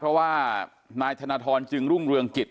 เพราะว่านายธนทรจึงรุ่งเรืองกิจ